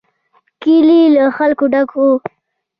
کلی له خلکو ډک و.